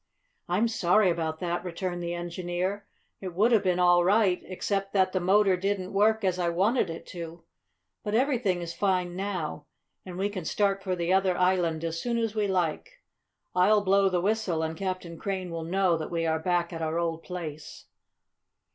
"I'm sorry about that," returned the engineer. "It would have been all right, except that the motor didn't work as I wanted it to. But everything is fine now, and we can start for the other island as soon as we like. I'll blow the whistle and Captain Crane will know that we are back at our old place."